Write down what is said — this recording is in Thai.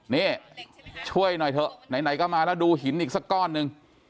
นี่ช่วยหน่อยเถอะไหนก็มาแล้วดูหินอีกสักก้อนหนึ่ง